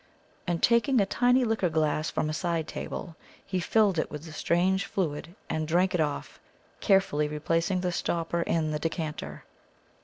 And taking a tiny liqueur glass from a side table, he filled it with the strange fluid and drank it off, carefully replacing the stopper in the decanter.